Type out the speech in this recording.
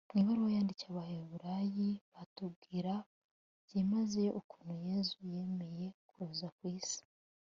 mu ibaruwa yandikiye abahebureyi batubwira byimazeyo ukuntu yezu yemeye kuza ku isi